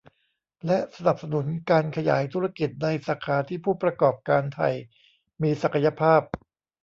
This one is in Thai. และสนับสนุนการขยายธุรกิจในสาขาที่ผู้ประกอบการไทยมีศักยภาพ